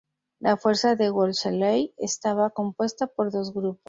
La fuerza de Wolseley estaba compuesta por dos grupos.